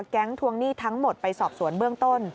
ทวงหนี้ทั้งหมดไปสอบสวนเบื้องต้น